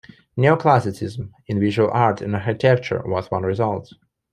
Neoclassicism in visual art and architecture was one result.